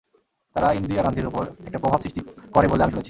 তাঁরা ইন্দিরা গান্ধীর ওপর একটা প্রভাব সৃষ্টি করে বলে আমি শুনেছি।